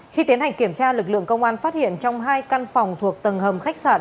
khi tiến hành kiểm tra lực lượng công an phát hiện trong hai căn phòng thuộc tầng hầm khách sạn